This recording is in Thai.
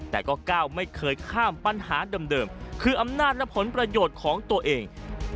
แต่ก็ก้าวไม่เคยข้ามปัญหาเดิมคืออำนาจและผลประโยชน์ของตัวเอง